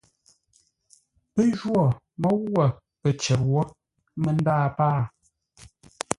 Pə́ jwô môu wə̂ pə̂ cər wó mə́ ndâa pâa.